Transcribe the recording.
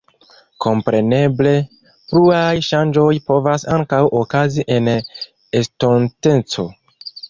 Kompreneble, pluaj ŝanĝoj povas ankaŭ okazi en la estonteco.